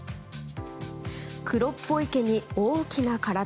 黒っぽい毛に大きな体。